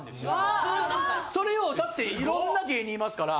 だっていろんな芸人いますから。